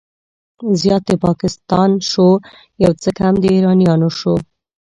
زيات د پاکستان شو، يو څه کم د ايرانيانو شو